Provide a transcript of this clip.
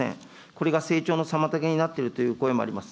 これが成長の妨げになっているという声もあります。